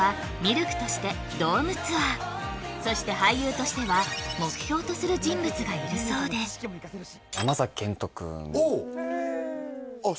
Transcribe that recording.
ＬＫとしてドームツアーそして俳優としては目標とする人物がいるそうでおおっへえあっ